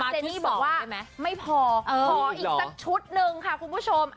เจนี่บอกว่าไม่พอขออีกสักชุดหนึ่งค่ะคุณผู้ชม